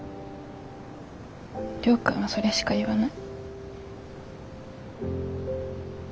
亮君はそれしか言わない。